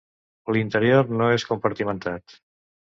L'interior no és compartimentat.